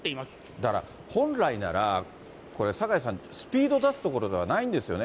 だから本来なら、これ、酒井さん、スピード出す所ではないんですよね。